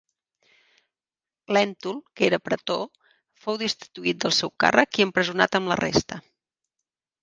Lèntul, que era pretor, fou destituït del seu càrrec i empresonat amb la resta.